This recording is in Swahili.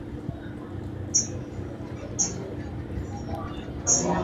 Katibu Mkuu wa Umoja wa Mataifa Ban Ki Moon amesemma